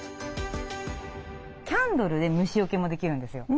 キャンドルで虫よけもできるんですよ。